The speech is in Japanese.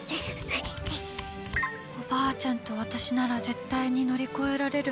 おばあちゃんと私なら絶対に乗り越えられる。